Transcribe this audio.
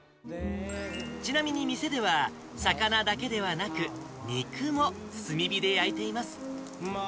ちなみに店では、魚だけではなく、肉も炭火で焼いています。